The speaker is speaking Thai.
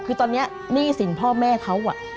คือตอนนี้หนี้สินพ่อแม่เขา